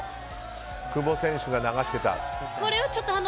久保選手が流してた。